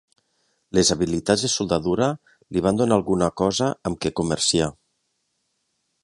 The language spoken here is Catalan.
Les habilitats de soldadura li van donar alguna cosa amb què comerciar.